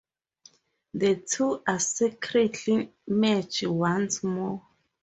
The two are secretly merged once more.